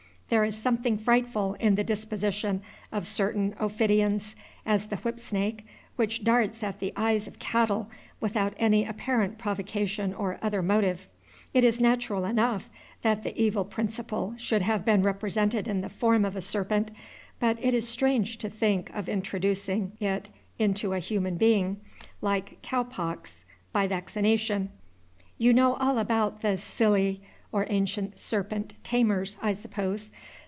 There is something frightful in the disposition of certain ophidians, as the whipsnake, which darts at the eyes of cattle without any apparent provocation or other motive. It is natural enough that the evil principle should have been represented in the form of a serpent, but it is strange to think of introducing it into a human being like cow pox by vaccination. You know all about the Psylli, or ancient serpent tamers, I suppose.